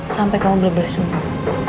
sampai kamu berubah semua